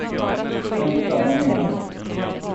Vänta, vad menar du?